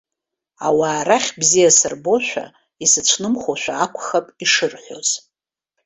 Ауаа рахь бзиа сырбошәа, исыцәнымхошәа акәхап ишырҳәоз.